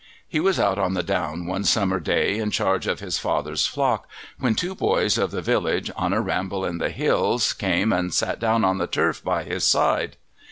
He was out on the down one summer day in charge of his father's flock, when two boys of the village on a ramble in the hills came and sat down on the turf by his side.